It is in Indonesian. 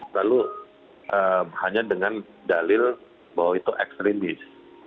lalu hanya dengan dalil bahwa itu ekstremis